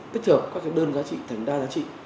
tích hợp các đơn giá trị thành đa giá trị